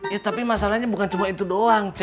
ya tapi masalahnya bukan cuma itu doang